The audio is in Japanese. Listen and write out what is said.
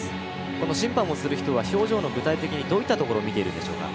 この審判をする人は表情、具体的にどういったところを見ているんでしょうか？